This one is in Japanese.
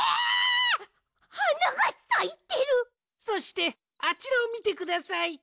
そしてあちらをみてください。